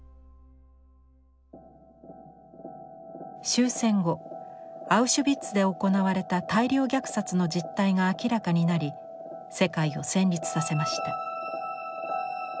終戦後アウシュビッツで行われた大量虐殺の実態が明らかになり世界を戦慄させました。